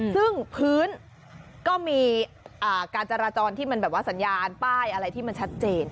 ซึ่งพื้นก็มีการจราจรที่มันแบบว่าสัญญาณป้ายอะไรที่มันชัดเจน